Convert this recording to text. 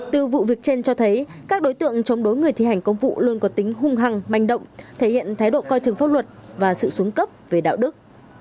từ vụ việc trên cho thấy các đối tượng chống đối người thi hành công vụ luôn có tính hung hăng manh động thể hiện thái độ coi thường pháp luật và sự xuống cấp về đạo đức